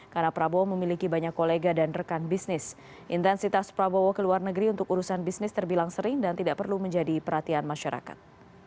karena prabowo memiliki banyak kolega dan rekan bisnis intensitas prabowo ke luar negeri untuk urusan bisnis terbilang sering dan tidak perlu menjadi perhatian masyarakat